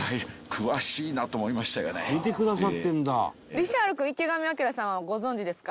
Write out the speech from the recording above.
リシャール君池上彰さんはご存じですか？